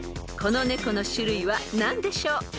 この猫の種類は何でしょう？］